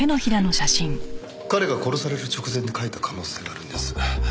彼が殺される直前に書いた可能性があるんです。